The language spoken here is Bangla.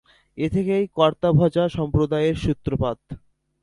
এ থেকেই কর্তাভজা সম্প্রদায়ের সূত্রপাত।